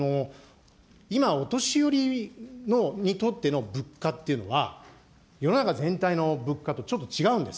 今、お年寄りにとっての物価っていうのは、世の中全体の物価とちょっと違うんです。